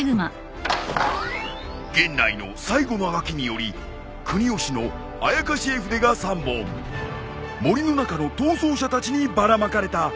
源内の最後のあがきにより国芳の妖絵筆が３本森の中の逃走者たちにばらまかれた。